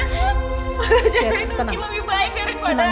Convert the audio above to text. karena cewek itu lebih baik dari padang